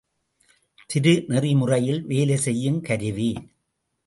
திருகு நெறிமுறையில் வேலை செய்யுங் கருவி.